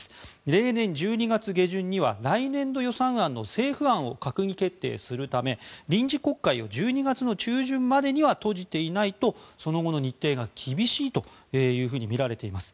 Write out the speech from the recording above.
例年、１２月下旬には来年度予算案の政府案を閣議決定するため臨時国会を１２月の中旬までには閉じていないとその後の日程が厳しいとみられています。